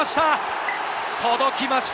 届きました！